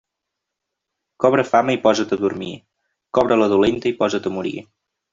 Cobra fama i posa't a dormir; cobra-la dolenta i posa't a morir.